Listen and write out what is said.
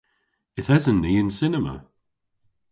Yth esen ni y'n cinema.